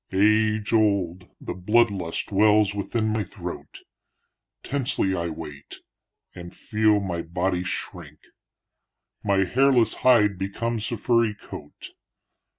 Â Â Age old, the blood lust wells within my throat; Â Â Â Â Tensely I wait, and feel my body shrink; Â Â My hairless hide becomes a furry coat.